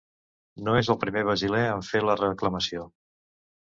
No és el primer brasiler en fer la reclamació.